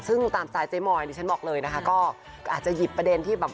ซึ่งตามสไตลเจ๊มอยดิฉันบอกเลยนะคะก็อาจจะหยิบประเด็นที่แบบ